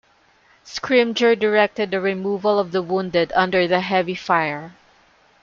Scrimger directed the removal of the wounded under the heavy fire.